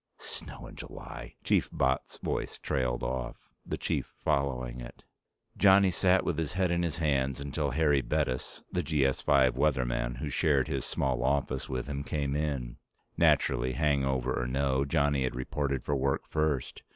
Snow in July ..." Chief Botts' voice trailed off, the Chief following it. Johnny sat with his head in his hands until Harry Bettis, the GS 5 weatherman who shared his small office with him, came in. Naturally, hangover or no, Johnny had reported for work first.